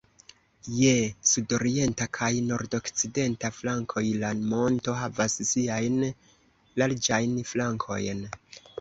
Je sudorienta kaj nordokcidenta flankoj la monto havas siajn larĝajn flankojn.